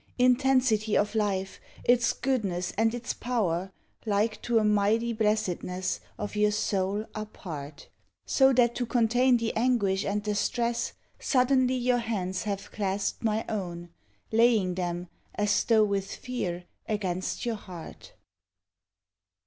Intensity of life, its goodness and its power, Like to a mighty blessedness Of your soul are part, So that to contain the anguish and the stress, Suddenly your hands have clasped my own, Laying them, as though with fear, Against your heart.